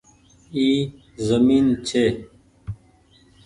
اي زمين ڇي۔